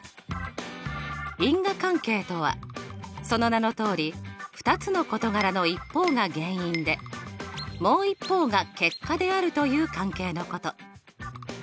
因果関係とはその名のとおり２つの事柄の一方が原因でもう一方が結果であるという関係のこと。